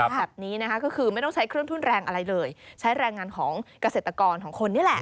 แบบนี้นะคะก็คือไม่ต้องใช้เครื่องทุนแรงอะไรเลยใช้แรงงานของเกษตรกรของคนนี่แหละ